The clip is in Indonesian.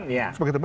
iya teman iya